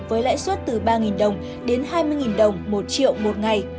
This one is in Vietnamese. với lãi suất từ ba đồng đến hai mươi đồng một triệu một ngày